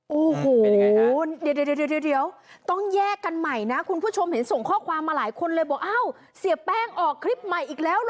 โอ้โหเดี๋ยวต้องแยกกันใหม่นะคุณผู้ชมเห็นส่งข้อความมาหลายคนเลยบอกอ้าวเสียแป้งออกคลิปใหม่อีกแล้วเหรอ